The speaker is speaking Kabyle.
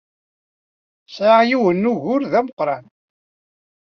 Sɛiɣ yiwen n wugur d ameqran.